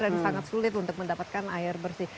dan sangat sulit untuk mendapatkan air bersih